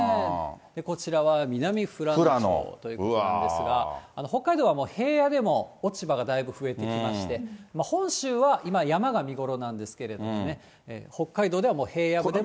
こちらは南富良野町ということなんですが、北海道は平野でも落ち葉がだいぶ増えてきまして、本州は今、山が見頃なんですけれどもね、北海道ではもう平野部でも。